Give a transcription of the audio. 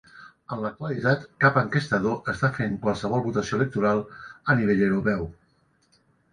En l'actualitat, cap enquestador està fent qualsevol votació electoral a nivell europeu.